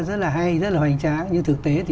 rất là hay rất là hoành tráng nhưng thực tế thì